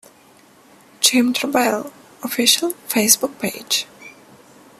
Jim Tarbell, Official Facebook Page.